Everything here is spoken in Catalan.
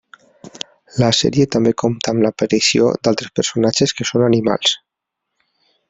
La sèrie també compta amb l'aparició d'altres personatges que són animals.